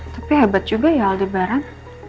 tapi hebat juga ya aldebaran